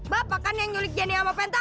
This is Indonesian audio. bapak kan yang nyulik jenny sama penta